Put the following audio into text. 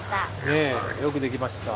ねえよくできました！